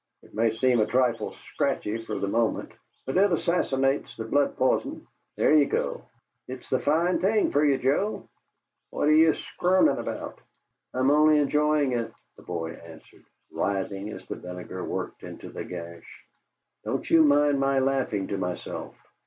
It may seem a trifle scratchy fer the moment, but it assassinates the blood p'ison. There ye go! It's the fine thing fer ye, Joe what are ye squirmin' about?" "I'm only enjoying it," the boy answered, writhing as the vinegar worked into the gash. "Don't you mind my laughing to myself."